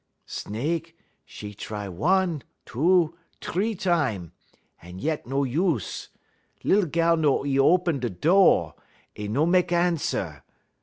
"Snake, 'e try one, two, t'ree time; 'e yent no use. Lilly gal no y open da do', 'e no mek answer.